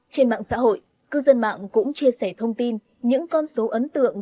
trên mạng xã hội cư dân mạng cũng chia sẻ thông tin những con số ấn tượng